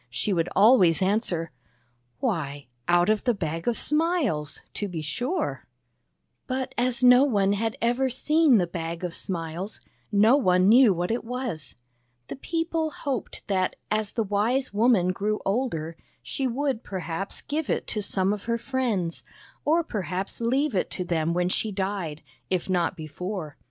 she would always answer: " Why, out of the Bag of Smiles, to be sure." 106 THE BAG OF SMILES But as no one had ever seen the Bag of Smiles, no one knew what it was. The people hoped that, as the wise woman grew older, she would perhaps give it to some of her friends, or perhaps leave it to them when she died, if not before.